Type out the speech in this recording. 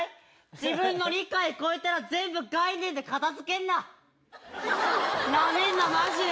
自分の理解超えたら、全部概念で片づけんな、なめんな、まじで。